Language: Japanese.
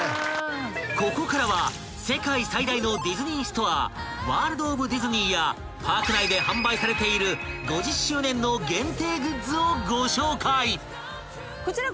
［ここからは世界最大のディズニーストアワールド・オブ・ディズニーやパーク内で販売されている５０周年の限定グッズをご紹介］